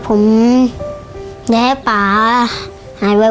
ผมจะให้ป่าหายไว